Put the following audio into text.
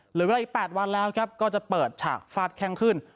เหลือเวลาอีก๘วันแล้วครับก็จะเปิดฉากฟาดแข้งขึ้น